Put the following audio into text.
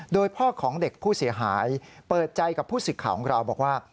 โดยพ่อของเด็กผู้เสียหายเปิดใจกับผู้สิทธิ์ข่าวของเราบอกว่า